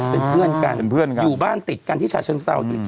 เป็นเพื่อนกันอยู่บ้านติดกันที่ชาชเชิงเศร้า